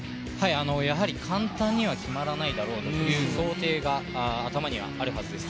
やはり簡単には決まらないだろうという想定が頭にはあるはずです。